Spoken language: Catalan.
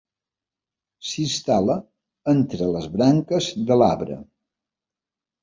S'instal·la entre les branques de l'arbre.